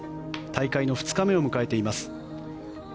大会の２日目を迎えています。